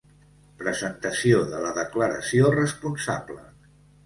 Presentació de la declaració responsable.